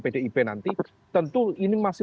pdip nanti tentu ini masih